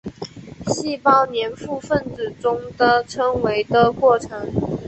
细胞黏附分子中的称为的过程。